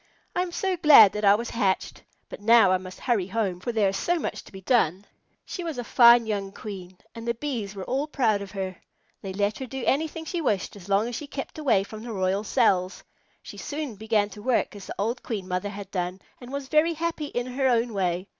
I am so glad that I was hatched. But now I must hurry home, for there is so much to be done." She was a fine young Queen, and the Bees were all proud of her. They let her do anything she wished as long as she kept away from the royal cells. She soon began to work as the old Queen Mother had done, and was very happy in her own way.